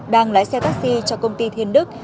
đang lái xe taxi cho công ty thiên đức